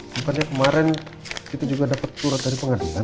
makanya kemarin kita juga dapat surat dari pengadilan kan